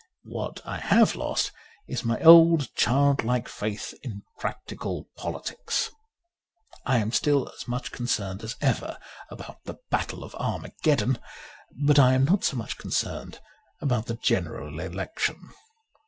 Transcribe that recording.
What I have lost is my old childlike faith in practical politics. I am still as much concerned as ever about the Battle of Armageddon ; but I am not so much concerned about the General Election.